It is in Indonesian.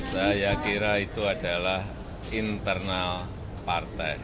saya kira itu adalah internal partai